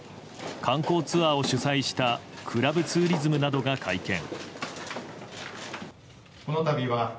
観光ツアーを主催したクラブツーリズムなどが会見。